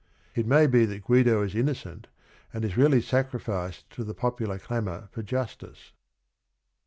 It may be that Guido is innocent and is really sacrificed to the popular clamor for justice.